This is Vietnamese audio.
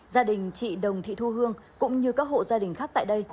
gia đình chị đồng thị thu hương cũng như các hộ gia đình khác tại đây